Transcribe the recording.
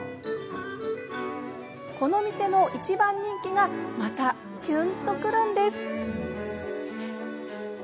このお店の一番人気がまた、きゅんとくるんです。